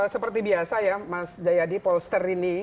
seperti biasa ya mas jayadi polster ini